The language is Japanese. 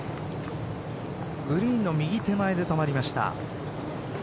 グリーンの右手前で止まりました。